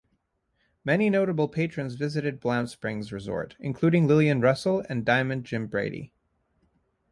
Many notable patrons visited Blount Springs resort, including Lillian Russell and Diamond Jim Brady.